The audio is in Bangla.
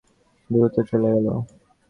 দ্রুত চলে গেল।